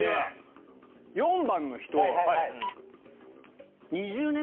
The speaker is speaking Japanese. ４番の人。